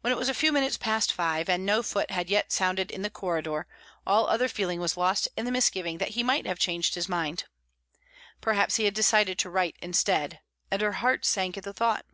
When it was a few minutes past five, and no foot had yet sounded in the corridor, all other feeling was lost in the misgiving that he might have changed his mind. Perhaps he had decided to write instead, and her heart sank at the thought.